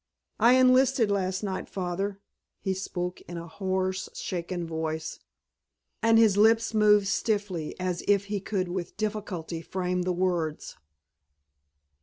"I enlisted last night, Father." He spoke in a hoarse, shaken voice, and his lips moved stiffly as if he could with difficulty frame the words.